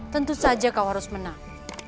tentu saja kau harus menang